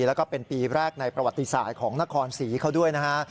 แล้วก็เป็นปีแรกในประวัติศาสตร์ของนครศรีเขาด้วยนะฮะ